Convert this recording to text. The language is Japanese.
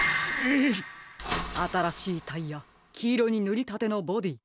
あたらしいタイヤきいろにぬりたてのボディー。